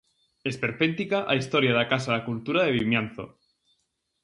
Esperpéntica a historia da Casa da Cultura de Vimianzo.